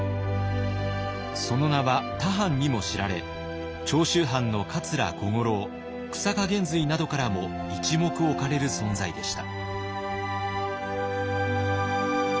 その名は他藩にも知られ長州藩の桂小五郎久坂玄瑞などからも一目置かれる存在でした。